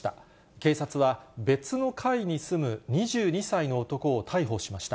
警察は、別の階に住む２２歳の男を逮捕しました。